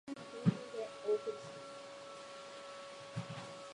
そもそもろくな文章が録音されていない。